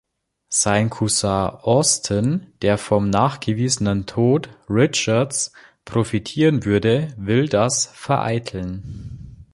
Sein Cousin Austin, der vom nachgewiesenen Tod Richards profitieren würde, will das vereiteln.